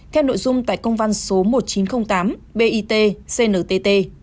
theo nội dung tại công văn số một nghìn chín trăm linh tám bit cntt